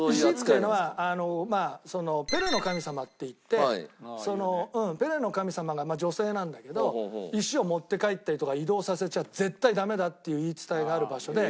石っていうのはまあペレの神様っていってそのペレの神様が女性なんだけど石を持って帰ったりとか移動させちゃ絶対ダメだっていう言い伝えがある場所で。